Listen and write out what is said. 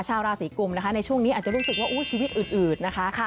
ชาวราศีกุมนะคะในช่วงนี้อาจจะรู้สึกว่าชีวิตอื่นนะคะ